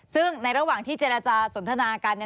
ซึ่งในระหว่างที่เจรจาสนทนากัน